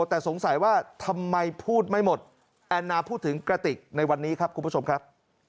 แต่สงสัยว่าทำไมพูดไม่หมดแอนนาพูดถึงกระติกในวันนี้ครับคุณผู้ชมครับ